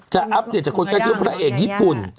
อัปเดตจากคนก็ชื่อพระเอกญี่ปุ่น